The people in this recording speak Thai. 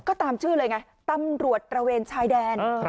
ก็ตามชื่อเลยไงตำรวจตระเวนชายแดน